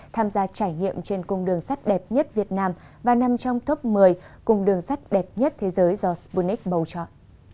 tham gia trải nghiệm trên cung đường sắt đẹp nhất việt nam và nằm trong top một mươi cùng đường sắt đẹp nhất thế giới do sputnic bầu chọn